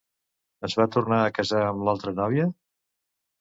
Es va tornar a casar amb l'altra noia?